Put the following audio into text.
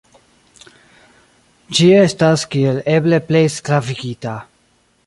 Ĝi estas kiel eble plej sklavigita.